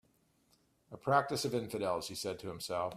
"A practice of infidels," he said to himself.